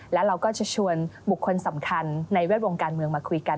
แล้วเราก็จะชวนบุคคลสำคัญในแวดวงการเมืองมาคุยกัน